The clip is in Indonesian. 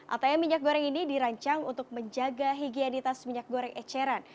atm minyak goreng ini dirancang untuk menjaga higienitas minyak goreng eceran